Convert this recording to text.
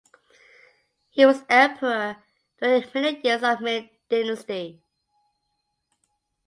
He was emperor during the middle years of the Ming dynasty.